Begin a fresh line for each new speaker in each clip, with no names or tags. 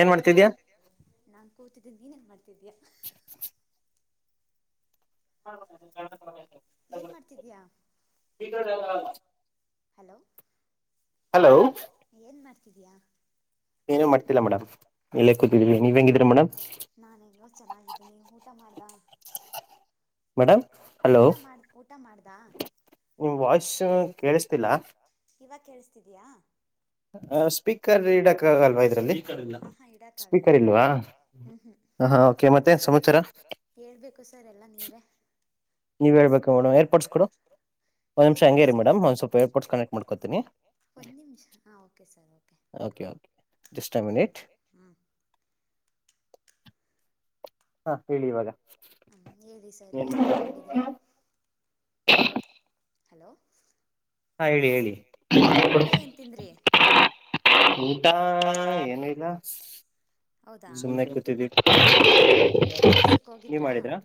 ಏನ್ ಮಾಡ್ತ [unintelligible]
[unintelligible] ನಾನ್ ಕೂತಿದ್ದೆ ನೀನ್ ಹೆನ್ ಮಾಡ್ತಿದ್ದೀಯ [unintelligible]
[unintelligible]
ಏನ್ ಮಾಡ್ತಿದೀಯ ಹಲೋ
ಹಲೋ
ಏನ್ ಮಾಡ್ತಿದಯಾ
ಏನ ಮಾಡ್ತಿಲ್ಲಾ ಮೇಡಮ್ ಇಲ್ಲ ಕೂತಿದೀವಿ ನೀವ್ ಹೆಂಗಿದೀರ ಮೇಡಮ್
ನಾನು ಹೆಂಗೋ ಚೆನ್ನಾಗಿದ್ದೀನಿ [unintelligible]
ಮೇಡಮ್ ಹಲೋ
ಊಟ ಮಾಡ್ ಊಟ ಮಾಡ್ದಾ
ನಿಮ್ ವಾಯ್ಸ ಕೇಳಿಸ್ತಿಲ್ಲ
ಇವಗ್ ಕೇಳಸ್ತಿದಯಾ
ಸ್ಪೀಕರ್ ಇಡಕ್ ಆಗಲ್ವಾ ಇದ್ರಲ್ಲಿ ಸ್ಪೀಕರ್ ಇಲ್ವಾ
ಆಹಾ ಇಡಕ್ಕಾಗಲ್ಲ
ಸ್ಪೀಕರ್ ಇಲ್ಲ [unintelligible]
[unintelligible] ಹೇಳ್ಬೇಕು ಸರ್ ಎಲ್ಲಾ ನೀವೇ
ನೀವ ಹೇಳ್ಬೇಕು ಮೇಡಮ್ ಏರ್ಪೋರ್ಟ್ಸ್ ಕೊಡು ಒಂದ್ ನಿಮಿಷ ಹಂಗೇರಿ
ಏರ್ಪೋರ್ಟ್ಸಾ
ಮೇಡಮ್ ಒಂದ್ ಸ್ವಲ್ಪ ಏರ್ಪೋರ್ಟ್ಸ್ ಕನೆಕ್ಟ್ ಮಾಡ್ಕೋತೀನಿ
ಒಂದು ನಿಮಿಷ ಹಾಂ okay sir
okay okay just a minute
ಹ್ಞೂ
[inaudible] ಹಾ ಹೇಳಿ ಇವಾಗ
ಹ್ಞೂ ಹೇಳಿ ಸರ್ ಏನು ಊಟ ಮಾಡಿದ್ರಿ
[unintelligible] [inaudible]
ಹಲೋ
ಹಾ ಹೇಳಿ ಹೇಳಿ
ಊಟ ಊಟ ಏನು
[unintelligible]
ತಿಂದ್ರಿ
[unintelligible] ಊಟ ಏನು ಇಲ್ಲ
ಹೌದಾ
ಸುಮ್ನೆ ಕೂತಿದ್ದೀವಿ
ಹ್ಞೂ ಕೆಲ್ಸಕ್ಕೆ
ನೀ
ಹೋಗಿದ್ರಾ
ಮಾಡಿದರಾ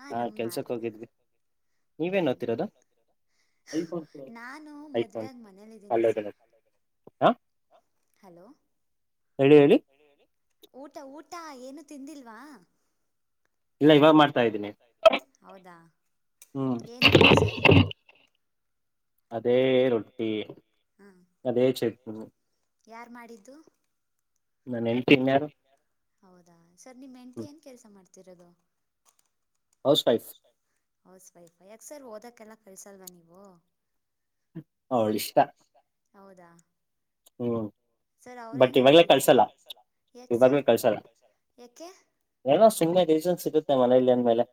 ಹಾಂ
ಹಾ
ನಮ್ಮ
ಕೆಲ್ಸಕ್
ಮಾಡಿದೆ
ಹೋಗಿದ್ವಿ ನೀವೇನ್
ಹ್ಮ್
ಓತಿರೋದ ಐಫೋನ್
ನಾನು
ಐಫೋನ್
ಮದ್ವೆಯಾಗಿ ಮನೇಲಿದ್ದೀನಿ ಸರ್
[unintelligible]
ಹಲೋ
ಹೇಳಿ ಹೇಳಿ
ಊಟ ಊಟ ಏನು ತಿಂದಿಲ್ವಾ
ಇಲ್ಲ ಇವಾಗ ಮಾಡ್ತಾ ಇದ್ದೀನಿ
ಹೌದಾ
ಹ್ಮ್
ಏನು ಊಟ ಸರ್
ಅದೇ ರೊಟ್ಟಿ
ಹಾಂ
ಅದೇ ಚಟ್ನಿ
ಯಾರು ಮಾಡಿದ್ದು
ನನ್ ಹೆಂಡತಿ ಇನ್ನಾರು
ಹೌದಾ ಸರ್ ನಿಮ್ ಹೆಂಡ್ತಿ ಏನ್ ಕೆಲ್ಸ ಮಾಡ್ತಿರೋದು
ಹೌಸ್ ವೈಫ್
ಹೌಸ್ ವೈಫ್ ಯಕ್ಸರ್ ಓದಕ್ಕೆಲ್ಲ ಕಳ್ಸಲ್ವಾ ನೀವು
ಅವಳ ಇಷ್ಟ
ಹೌದಾ
ಹ್ಮ
ಸರ್ ಅವ್ರ ಏನ್ಂತಿದ್ದಾರೆ ಯಾಕ್ ಸರ್ ಯಾಕೆ [unintelligible]
ಎ ಸುಮ್ಸನ್ ಸಿಗುತ್ತೆ ಮನಲಿ ಅಂದ್ಮೇಲೆ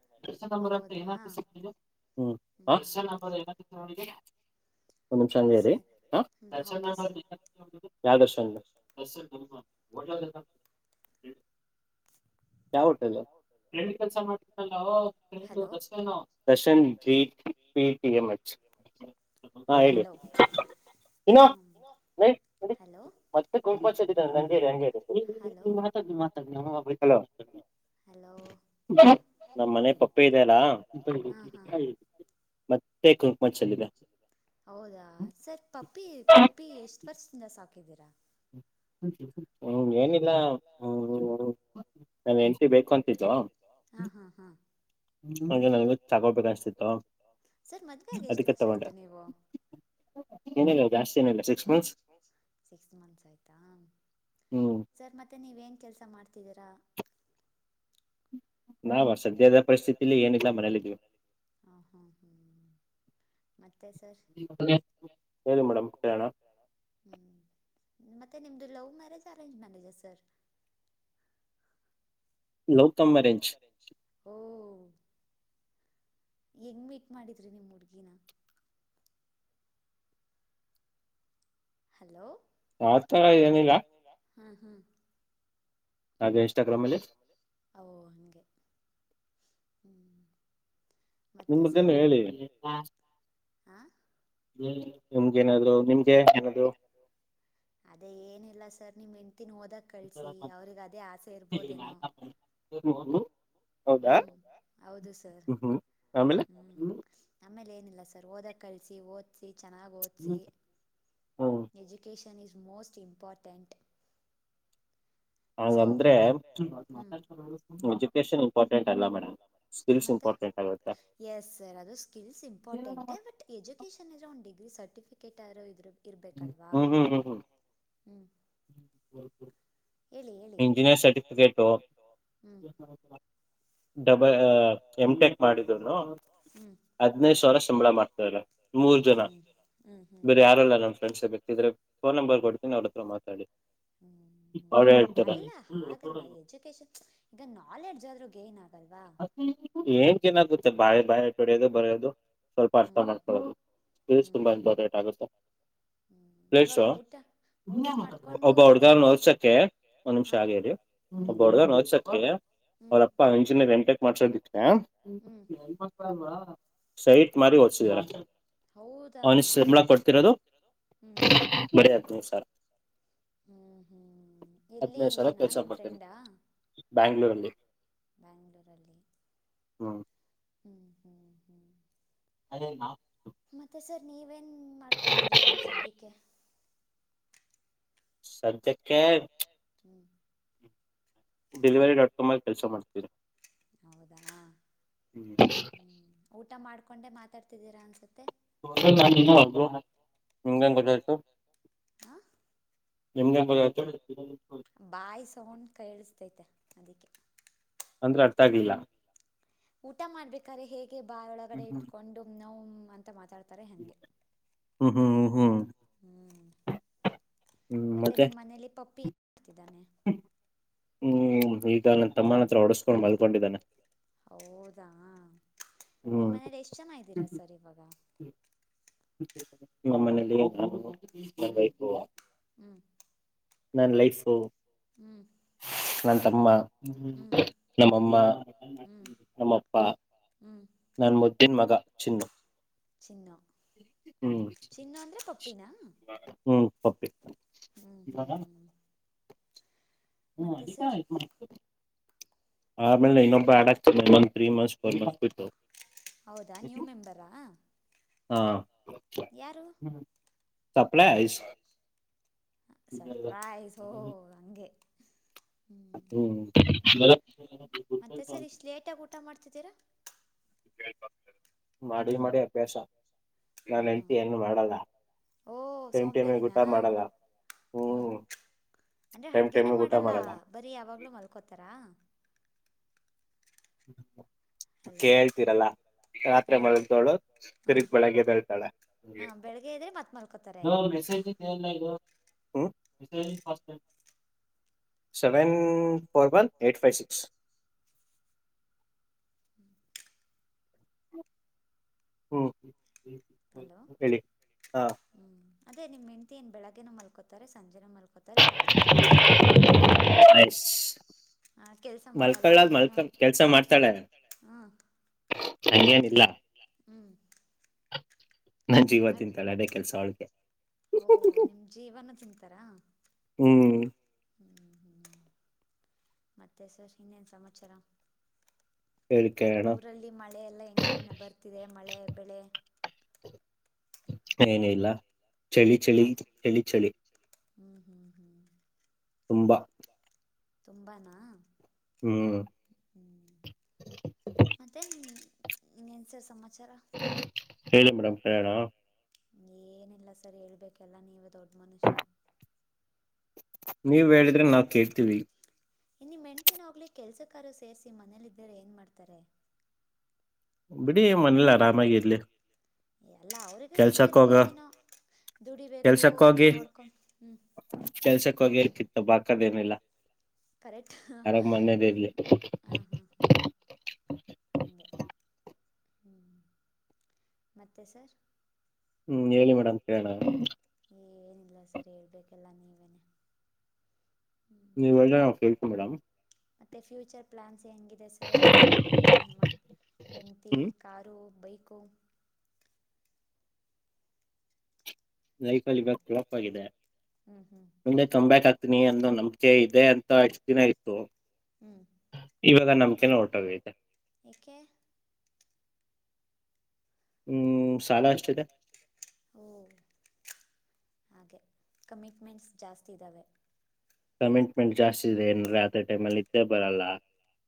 ಹೌದಾ
ಹ್ಮ
ಹ್ಮ್
[unintelligible] [unintelligible] ಒಂದ್ ನಿಮಿಷ ಅಂಗೆ ಇರಿ
ಸರಿ ಹ್ಞೂ okay sir
[unintelligible] Yawar [unintelligible] [unintelligible] hotel ladies ಕೆಲ್ಸ ಮಾಡ್ತಾನಲ್ಲೋ
hello
Darshan Darshan PT M H ಹಾ ಹೇಳಿ
ಹಲೋ
ಇನ್ನ
ಹ್ಞೂ
ನ
ಹಲೋ
ಮತ್ತೆ ಗಂಪ ಅಂಗೇರಿ ಅಂಗೇರಿ
ಹಲೋ
ಮಾತ ಮಾತಮ್ಮಲ
ಹಲೋ
ನಮ್ಮ ಮನೆ ಪಪ್ಪೆ ಇದೆ ಅಲ್ಲಾ
ಹಾ ಹಾ ಹೌದಾ ಸರ್ ಪಪ್ಪಿ ಪಪ್ಪಿ ಎಷ್ಟ ಫಸ್ಟ್ನ ಸಾಕಿದ್ದೀರಾ
ಹ ಏನಿಲ್ಲಾ ಹ ನಾವ ಎಂಟ ಬೇಕು ಅಂತಿದ್ದವಾ
ಹಾ ಹಾ ಹಾ
ಹಾಗೆ ನನ್ಗು ಚಕೋಬೇಕ ಅಷ್ಟತಿತ್ತು
ಸರ್ ಮದ್ವೆ ಆಗಿ ಎಷ್ಟು
ಅದಕ್ಕೆ
ವರ್ಷ
ತಗೊಂಡೆ
ಆಯ್ತು ನೀವು
ಏನಿಲ್ಲ ಜಾಸ್ತಿ ಏನಿಲ್ಲ ಸಿಕ್ಸ್ ಮಂತ್ಸ್
ಸಿಕ್ಸ್ ಮಂತ್ಸ್ ಆಯ್ತು
ಹ್ಮ್
ಸರ್ ಮತ್ತೆ ನೀವೇನ್ ಕೆಲ್ಸ ಮಾಡ್ತಿದ್ದೀರಾ
ನಾವ ಸದ್ಯದ ಪರಿಸ್ಥಿತಿಲಿ ಏನಿಲ್ಲ ಮನೇಲಿದ್ವಿ
ಹ ಹ್ಮ್ ಹ್ಮ್ ತ್ತ ಸರ್
ಹೇಳಿ ಮೇಡಮ್ ಕೇಳೋಣ
ಹ್ಮ ಮತ್ತೆ ನಿಮ್ದು love marriage arrange marriage sir
love come marriage
ಹ ಹೆಂಗ್ ಮೀಟ್ ಮಾಡಿದ್ರಿ ನಿಮ್ ಹುಡ್ಗಿನ ಹಲೋ
ಆತರ ಏನಿಲ್ಲ
ಹ್ಮ್
ಹಾಗೆ ಇನ್ಸ್ಟಾಗ್ರಾಮ್ ಅಲ್ಲಿ
ಹಾ ಓ ಹಂಗೆ ಹ್ಮ್ ಮತ್ತೆ ಸರ್
ನಿಮ್ಮ್ದನು ಹೇಳಿ
ಹಾ
ಹ್ಮ್ ನಿಮ್ಗೇನಾದ್ರು ನಿಮ್ಗೆ ಏನಾದ್ರು
ಅದೇ ಏನಿಲ್ಲ ಸರ್ ನಿಮ್ಮ ಇ ತ್ತನ್ ಓದಕ್ ಕಳ್ಸಿ ಅವ್ರಿಗೆ ಅದೇ ಆಸೆ ಇರ್ಬೋದೇನೋ
ಹೌದಾ
ಹ್ಮ್ ಹೌದು ಸರ್
ಹ್ಮ್ ಹ್ಮ್ ಆಮೇಲೆ
ಹ್ಮ್ ಆಮೇಲೆ ಏನ ಸರ್ ಓದ ಕ ಓದಿ ಚೆನ್ನಾಗಿ ಓದ education is most important so
ಹಂಗಂದ್ರೆ
ಹ್ಮ್
ಎಜುಕೇಶನ್ ಇಂಪಾರ್ಟೆಂಟ್ ಅಲ್ಲ ಮೇಡಮ್ ಸ್ಕಿಲ್ಸ್
ಮರ್
ಇಂಪಾರ್ಟೆಂಟ್ ಆಗುತ್ತೆ
ಅಕಿಲ್ ಇಂಪ್ಟೆಂಜಡಿರ ಸರ್ಟಿಫಿಕೇಟ್ ಯಾರ ಇದ ಇರ್ಬೇಕಲ್ವಾ
ಹ್ಮ್ ಹ್ಮ್ ಹ್ಮ್ ಹ್ಮ್
ಹ್ಮ
ಎಂಜಿನಿಯರ್ ಸರ್ಟಿಫಿಕಟೋ
ಹ್ಮ್
ಡಬ ಎಮ್ ಟೆಕ್ ಮಾಡಿದ್ನು
ಹ್ಮ್
ಹದ್ನೈದು ಸಾವಿರ ಸಂಬಳ ಮಾಡ್ತಾರೆ ಮೂರ್ ಜನ
ಹ್ಮ್ ಹ್ಮ್ ಹ್ಮ್ ಹ್ಮ್
ಬೇರೆ ಯಾರಲ್ಲ ನಮ್ಮ ಫ್ರೆಂಡ್ಸ್ ಬರ್ತಿದ್ರೆ ಫೋನ್ ನಂಬರ್ ಕೊಡ್ತೀನಿ ಅವ್ರ ಹತ್ರ ಮಾತಾಡಿ
ಹ್ಮ್
ಅವ
ಅಲ್ಲ ಹಾಗಲ್ಲ ಎಜುಕೇಶನ್ ಈಗ ನಾಲೆಡ್ಜ್ ಆದ್ರೂ ಗೇನ್ ಆಗ್
ಏನ್ ಚೆನ್ನಾಗುತ್ತೆ ಬಾಯ ಬಾಾಯ ಹೊಡಿಯದು ಬರೆಯೋದು ಸ್ವಲ್ಪ ಅರ್ಥ
ಹ್ಮ್ ಹ್ಮ್
ಮಾಡ್ಕೊಳ್ಳೋದುಸ್
ಹ್ಮ್
ತುಂಬಾ
ಹ್ಮ್
ಇಂಪೇಟ್ ಆಗುತ್ತೆ
ಹ್ಮ್
ಪ್ಲೇಸ್
ಇವಾಗ ಊಟ ಊಟ ಮಾಡ್ಕೊಂಡು
ಒಬ್ಬ ಹುಡ್ಗಾರ್ ನೋದಸಕ್ಕೆ ಒಂದ್ ನಿಮಿಷ
ಹಾ
ಆ ಹೇಳಿ
ಹ್ಮ್
ಒಬ್ಬ ಹುಡ್ಗಾರ್ ನೋದಸಕ್ಕೆ
ಹ್ಮ್
ಅವ್ರಪ್ಪ ಇಂಜಿನಿಯರ್ ಎಂಟೆಕ್ ಮಾಡ್ಸದಿಕ್ಕೆೆ
ಹ್ಮ್
ಸೈಟ್ ಮಾರಿ ಓದಸಿದಾರ
ಹೌದಾ
ಅವನ ಶಬಳ ಕೊಡ್ತಿರೋದು
ಹ್ಮ್
ಬರ ಆ ನೀ ಸರ್
ಹ್ಮ್ ಹ್ಮ್ ಎಲ್ಲಿ
ಹದ್ನೈದು ಸಾವಿರ
ಇಲ್ಲೇನಾ
ಕೆಲಸ
ನಿಮ್
ಪಡ್ತಿ
ಫ್ರೆಂಡಾ
ಬ್ಯಾಂಗ್ಳೂರು ಅಲ್ಲಿ
ಬ್ಯಾಂಗ್ಳೂರಲ್ಲಿ
ಹ್ಮ
ಹ್ಮ್ ಹ್ಮ್ ಹ್ಮ್
[unintelligible]
ಮತ್ತೆ ಸರ್ ನೀವೇನ್ ಮಾಡ್ಕೊಂಡಿದ್ದೀರಾ ಈಗ ಸದ್ಯಕ್ಕೆ
ಸದ್ಯಕ್ಕೆ
ಹ್ಮ
ಡೆಲಿವರಿ ಡಾಟ್ ಕಾಮ್ ಆ ಕೆಲಸ ಮಾಡ್ತೀರಾ
ಹೌದಾ
ಹ್ಮ್
ಹ್ಮ್ ಊಟ ಮಾಡ್ಕೊಂಡೆ ಮಾತಾಡ್ತಿದ್ದೀರಾ ಅನ್ಸುತ್ತೆ
[unintelligible] ನಿಂಗಂಗ ಗೊತ್ತಾಯ್ತು
ಹ
ನಿಮ್ಗ್ ಎಂಗ್ ಗೊತ್ತೈತು
ಬಾಯ್ ಸೌಂಡ ಕೇಳಿಸತೈತೆ ಅದಕ್ಕೆ
ಅಂದ್ರೆ ಅರ್ಥ ಆಗ್ಲಿಲ್ಲ
ಊಟ ಮಾಡ್ಬೇಕ್ರೆ ಹೇಗೆ ಬಾಳ ಒಳಗಡೆ ಇಟ್ಕೊಂಡು ನೋ ಅಂತ ಮಾತಾಡ್ತ
ಹ್ಮ ಹ್ಮ್್ಮ ಹ್ಮ್
ಹ್ಮ್ ಮತ್ತೆ ನಿಮ್ಮ್ ಮನೇಲಿ ಪಪ್ಪಿ ಮಾಡತಿದ್ದಾನೆ
ಹ್ಮ್ ಈಗ ನನ್ ತಮ್ಮನ ಹತ್ರ ಹೊಡಸ್ಕೊಂಡು ಮಲ್ಕೊಂಡಿದ್ದಾನೆ
ಹೌದಾ ನಿಮ್ಮ
ಹ್ಮ್
ಮನೇಲಿ ಎಷ್ಟ್ ಜನ ಇದ್ದೀರಾ ಸರ್ ಇವಾಗ
ನಮ್ಮ ಮನೆಯಲ್ಲಿ ನಾನು ನನ್ನ
ಹ್ಮ್
ವೈಫು
ಹ್ಮ್
ನನ್ನ ಲೈಫು
ಹ್ಮ್
ನನ್ ತಮ್ಮ
ಹ್ಮ್
ನಮ್ಮಮ್ಮ
ಹ್ಮ್
ನಮ್ಮಪ್ಪ
ಹ್ಮ್
ನನ್ ಮುದ್ದನ್ ಮಗ ಚಿನ್ನು
ಚಿನ್ನು ಚಿನ್ನು ಅಂದ್ರೆ ಪಪ್ಪಿನಾ
ಹ ಹ್ಮ ಪಪ್ಪೀ
ಹ್ಮ್
ಇವಾಗ
ಹ್ಮ್ ಹ್ಮ್
ಹ
ಮತ್ತೆ
ಅಲ್ಲಿ
ಸರ್
ಆಯತು ಆಮೇಲೆ ಇನ್ನೊಬ್ಬ ಯಾಡ್ ಆಗ್ತದೆ ಒಂದ್ ತ್ರೀ ಮಂತ್ಸ್ ಫೋರ್ ಮಂತ್ಸ್ ಬಿಟ್ಟು
ಹೌದಾ ನ್ಯೂ ಮೆಂಬರಾ
ಹಾ
ಯಾರು
ಸಪ್ಲಸ್
ಸರ್ಪ್ರೈಜ್ ಹೋ ಹಂಗೆ
ಹ್ಮ್
ಮತ್ತೆ ಸರ್ ಇಷ್ಟ ಲೇಟಗ ಊಟ ಮಾಡ್ತಿದ್ದೀರಾ
ಹ್ಮ್ ಮಾಡಿ ಮಾಡಿ ಅಭ್ಯಾಸ ನಾ
ಹಾಂ ಹಾಂ
ಹೇಳ್ತಿ ಏನ್ ಮಾಡಲ್ಲ
ಓ
ಟೈಮ್ ಟೈಮ ಊಟ
ಸೋಂಬೇರಿನಾ
ಮಾಡಲ್ಲ
ಹ್ಮ್ ಅಂದ್ರೆ
ಟೈಮ್
ಅಡ್ಗೇನೆೇ
ಟೈಮಿಗೆ ಊಟ
ಮಾಡಲ್ಲ ಬರೀ ಯಾವಾಗ್ಲೂ ಮಲ್ಕೋತಾರ ಹಲೋ
ಕೇಳ್ತೀರಲ್ಲ ರಾತ್ರೆ
ಹಾಂ
ಮಲಗದವ್ಳು
ಹಾಂ
ತಿರಿದ್ ಬೆಳಗ್ಗೆ ಎದ್ದೇಳ್ತಾಳೆ
ಹಾಂ ಬೆಳಗ್ಗೆ ಎದ್ರೆ ಮತ್ತೆ ಮಲ್ಕೋತಾರೆ
ಲೋ ಮೆಸಜ ಮ [unintelligible] seven four one eight five six [inaudible] ಹ್ಮ್ ಹ್ಮ
ಹಲೋ ಹ್ಮ್ ಅದೇ ನಿಮ್ ಹೆಂಡತಿ ಏನ್ ಬೆಳಗ್ಗಿನ ಮಲ್ಕೋತಾರೆ ಸಂಜೆನು ಮಲ್ ತಾರೆ ರಾತ್ರಿನು ಮಲ್ಕೋತಾರ
[unintelligible] ಮಲ್ಕಳ್
ಏನು
ಕೆಲ್ಸ ಮಾಡ್ತಾಳೆ
ಹಾಂ
ಅಂಗೇನಿಲ್ಲ
ಹ್ಞೂ
ನನ್ ಜೀವ ತಿಂತಾಳೆ ಅದೇ ಕೆಲ್ಸ ಅವಳಿಗೆ
ಹಓ ನಿಮ್ ಜೀವನ ತಿನ್
ಹ್ಮ್
ಹ್ಮ್ ಹ್ಮ್ ಮತ್ತೆ ಸರ್ ಇನ್ನೇನ್ ಸಮಾಚಾರ
ಹೇಳಿ ಕೇಳೋಣ
ಊರಲ್ಲಿ ಮಳೆಲ್ಲಾ ಹೆಂಗನೆ ಬರ್ತಿದೆ ಮಳೆ ಬೆಳೆ
ಏನ ಇಲ್ಲ ಚಳಿ ಚಳಿ ಚಳಿ ಚಳಿ
ಹ್ಮ್ ಹ್ಮ್ ಹ್ಮ್
ತುಂಬ
ತುಂಬಾನ ಹ್ ಮತ್ತೆ ನಿಮ್ ಇನ್ನೇನ್ ಸರ್ ಸಮಾಚಾರ
ಹೇಳಿ ಮೇಡಮ್ ಕೆಳಣ.
ಏನಿಲ್ಲ ಸರ್ ಹೇಳ್ಬೇಕೆಲ್ಲಾ ನೀವೆ ದೊಡ್
ನೀವ
ಹ್ಮ್
ಹೇಳಿದ್ರೆ ನಾವ್ ಕೇಳ್ತೀವಿ.
ಇನ್ ನಿಮ್ ಹೆಣತಿನಾ ಹೋಗ್ಲಿ ಕೆಲಸಕಾರು ಸೇರಿಸಿ ಮನೇಲ್ಲಿದ್ದರೆ ಏನ್ ಮಾಡಾತಾರೆ.
ಬಿಡಿ ಮನೆಲ್ ಆರಾಮಾಗಿ ಇರ್ಲಿ.
ಎಲ್ಲ ಅವ್ರಿಗೂ ಏನೋ ಇರ್ಬೋದೇನೋ. ದುಡಿಬೇಕು
ಕೆಲ್ಸಕ್ಕ ಹೋಗಿ
ನೋಡ್ಕೊಂಡ್ ಹ್ಮ್
ಕೆಲ್ಸಕ್ಕ ಹೋಗಿ ಅಲ್ ಕಿತ್ತ ದಬಾಕದ ಎನ್ ಇಲ್ಲಾ.
ಕರೆಕ್ಟ್ ಹ
ಇರ್ಲಿ
ಹಾ ಹ. ಹಂಗೆ ಹ್ಮ್ ಮತ್ತೆ ಸರ್.
ಹ್ಮ್ ಹೇಳಿ ಮೇಡಮ ಕೆಳಣ.
ಏನಿಲ್ಲ ಸರ್ ಹೇಬೇಕೆಲ್ಲ ನೀವೇ.
ನೀವ್ ಹೇಳಿದ್ರೆ ನಾವ್ ಕೇಳ್ತೀವ್ ಮೇಡಮ್.
ಮತ್ತೆ ಫ್ಯೂಚರ್ ಪ್ಲಾನ್ಸ್. ಹೆಂಗಿದೆ ಸರ್ ಮನೆ ಮ ಹೆಂಡತಿ
ಹ್ಮ್
ಕಾರು ಬೈಕ ಕು
ಲೈಫ ಅಲ್ಲಿ
ಹಲೋ
ಇವಾಗ ಪ್ಲಪ್ ಆಗಿದೆ.
ಹ್ಮ್ ಹ್ಮ್
ಮುಂದೆ ಕಂಬ್ಯಾಕ್ ಆಗ್ತೀನಿ ಅನ್ನೋ ನಂಬಿಕೆ ಇದೆ ಅಂತ ಇಷ್ಟ ದಿನ ಇತ್ತು.
ಹ್ಮ್
ಇವಾಗ ನಮ್ಕೆನ ಹೊರ್ಟೊಗೈತೆ.
ಯಾಕೆ.
ಹ್ಮ್ ಸಾಲ ಅಷ್ಟಿದೆ
ಓ ಹಾಗೆ ಕಮಿಟ್ಮೆಂಟ್ಸ್ ಜಾಸ್ತಿ ಇದ್ದಾವೆ.
ಕಮೆಂಟ್ಮೆಂಟ್ ಜಾಸ್ತಿ ಇದೆ ಇನ್ ರಾತ್ರಿ ಟೈಮ್ ಅಲ್ಲಿ ನಿದ್ದೆ ಬರಲ್ಲ.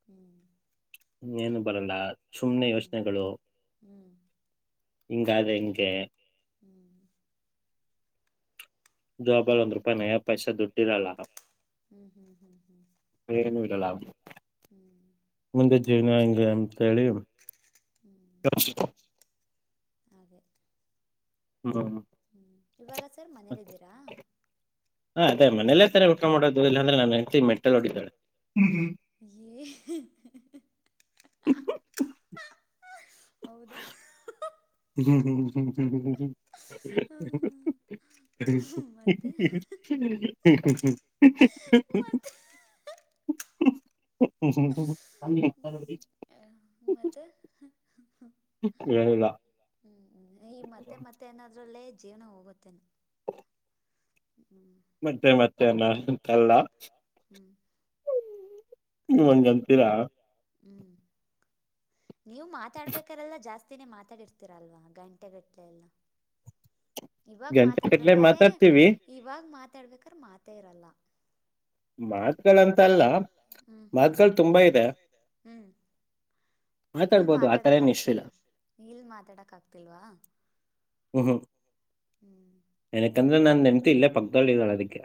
ಹ್ಮ್
ಇನ್ನೇನು ಬರಲ್ಲ ಸುಮ್ನೆ ಯೋಚನೆಗಳು.
ಹ್ಞೂ
ಹಿಂಗಾದ್ರೆ ಹೆಂಗೆ.
ಹ್ಮ್
ಜೋಬಲ್ ಒಂದ್ ರೂಪಾಯಿ ನಯ ಪೈಸೆ ದುಡ್ಡಿರಲ್ಲ.
ಹ್ಞೂ ಹ್ಞೂ ಹ್ಞೂ ಹ್ಞೂ
ಏನು ಇರಲ್ಲ.
ಹ್ಞೂ
ಮುಂದೆ ಜೀವನ ಹೆಂಗೆ ಅಂತೇಳಿ
ಹ್ಞೂ
ಕೆಲ್
ಹಾಗೆ
ಹ್ಮ್
ಹ್ಮ ಇವಾಗ ಸರ್ ಮನೇಲ್ಲಿದ್ದೀರಾ.
ಹಾ ಅದೇ ಮನೇಲೆ ತಾನೆ ಊಟಾ ಮಾಡೋದು ಇಲ್ಲಾಂದ್ರೆ ನಮ್ ಹೆಂಡ್ತಿ ಮೆಟ್ಟಲ್ ಹೊಡಿತಾಳೆ. ಹ್ಮ್
ಏ
[inaudible]
ಹೌದಾ
ಹ
ಹ್ಮ್. ಮತ್ತೆ
[unintelligible] ಹ್ಮ [unintelligible]
ಮತ್ತೆ
ಹ್ಮ ಹ್ಮ ಹ್ಮ ಹ್
ಹ್ಮ್.
[unintelligible]
ಮತ್ತೆ
ಏ
ಹ್ಮ್ ಈ ಮತ್ತೆ ಮತ್ತೆ ಏನಾದ್ರಲ್ಲೇ ಜೀವನ ಹೋಗುತ್ತೇನೋ. ಹ್ಮ್ ಮತ್ತೆ ಮತ್ತೆ ಅನ್ನೋಸ್ಟ್ರಲ್ಲ ಹ್ಮ್.
ಹ್ಮ ಹಂಗ್ ಅಂತೀರಾ.
ಹ್ಮ್ ನೀವು ಮಾತಾಡ್ಬೇಕ್ರೆಲ್ಲ ಜಾಸ್ತಿನೇ ಮಾತಾಡಿರ್ತೀರಲ್ವಾ ಗಂಟೆಗಟ್ಲೆ ಎಲ್ಲ. ಇವಾಗ
ಗಂಟೆ ಕಟ್ಲೆ
ಮಾತಾಡ್ಬೇಕ್ ಆರೆ
ಮಾತಾಡ್ತೀವಿ
ಇವಾಗ ಮಾತಾಡ್ಬೇಕರ ಮಾತೆ ಇರಲ್ಲ.
ಮಾತ್ಗಳಂತಲ್ಲ
ಹ್ಮ್ ಹ್ಮ್
ಮಾತ್ಗಳ ತುಂಬಾ ಇದೆ.
ಹ್ಮ್
[inaudible]
ಇಲ್
ಆತರ
ಮಾತಾಡಕ್
ಏನ್
ಆಗ್ತಿಲ್
ಇಷ್ಟಿಲ್ಲ
ಇಲ್ ಮಾತಾಡಕ್ ಆಗ್ತಿಲ್ವಾ. ಹ್ಮ್
ಎನಿಕ್ ಅಂದ್ರೆ ನನ್ನ ಹೆಂಡ್ತಿ ಇಲ್ಲೆ ಪಕ್ಕದಲ್ಲಿ ಇದಾಳ ಅದಿಕ್ಕೆ.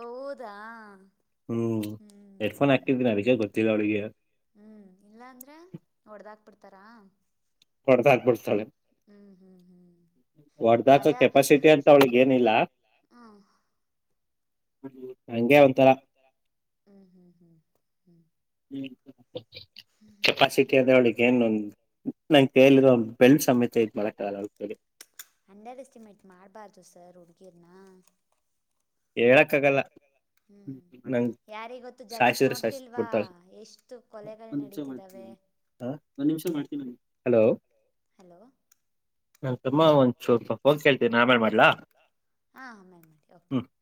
ಹೌದಾ
ಹ್ಮ್
ಹ್ಮ್
ಎಡ್ಫೋನ್
ಹ್ಮ್
ಹಾಕ್ಕಿದ್ದೀನಿ ಅದಕ್ಕೆ ಗೊತ್ತಿಲ್ಲ ಅವಳಿಗೆ
ಹ್ಮ್ ಇಲ್ಲ ಅಂದ್ರೆ ಹೊಡ್ದಾಕ್ ಬಿಡ್ತಾರ
ಹೊಡ್ದ ಹಾಕ್ಬಿಡ್ತಾಳೆ
ಹ್ಮ್ ಹ್ಮ್ ಹ್ಮ್
ಹೊಡ್ದಾಕ
ಭಯ
ಕೆಪಾಸಿಟಿ ಅಂತ
ಹ್ಮ್
ಹ
ಹ್ಮ್ ಹ್ಮ್ ಹ್ಮ್
ಹ್ಮ್ ಕೆಪಾಸಿಟಿ ಅದ ಅವಳಿಗೆ ಇನ್ನೊಂದು ನಂ ಕೇಳಿರೋ ಬೆಳ್ಳ ಸಮೇತ ಇದ್ ಮಾಡಕ ಅವ ಕಿ
ಅಂಡರ್ ಎಸ್ಟಿಮೇಟ್ ಮಾಡ್ಬಾರ್ದು ಸರ್ ಹುಡ್ಗೀರ್ನ
ಹೇಳಕ್ಕ ಆಗಲ್ಲ ನಂಗ
ಯಾರಿಗೊತ್ತು ಜಗತ್ ನೋಡ್ತಿಲ್ವಾ ಎಷ್ಟು ಕೊಲೆಗಳು ನಡೀತಿದಾವೆ
ಹ ಒಂದ್ ನಿಮಿಷ ಮಾಡ್ತೀನಿ ಹಲೋ
ಹಲೋ
ನಾನ್ ತುಮ್ಮಾ ಒಂದ್ ಚೋಪ ಹೋಗ್ ಕೇಳ್ತೀನಿ ನಾವೇನ್ ಮಾಡ್ಲಾ
ಹಾ ಮೇ
ಹ್ಮ್
ಮಾಡ